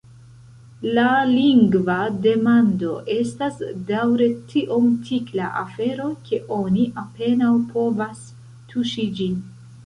La lingva demando estas daŭre tiom tikla afero, ke oni apenaŭ povas tuŝi ĝin.